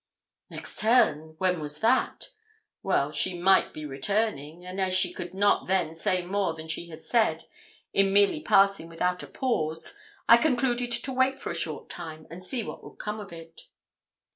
'Next turn' when was that? Well, she might be returning; and as she could not then say more than she had said, in merely passing without a pause, I concluded to wait for a short time and see what would come of it.